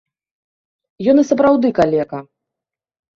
Ён і сапраўды калека.